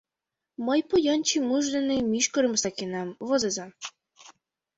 — Мый поян Чимуш дене мӱшкырым сакенам, возыза.